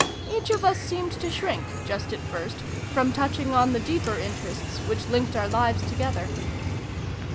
Each of us seemed to shrink, just at first, from touching on the deeper interests which linked our lives together.